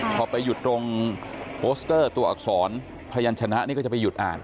พอไปหยุดตรงโปสเตอร์ตัวอักษรพยานชนะนี่ก็จะไปหยุดอ่าน